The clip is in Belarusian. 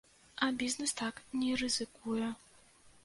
А бізнес так не рызыкуе.